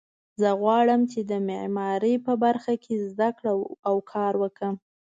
زه غواړم چې د معماري په برخه کې زده کړه او کار وکړم